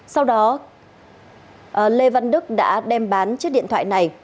sau đó lê văn đức đã đem bán chiếc điện thoại này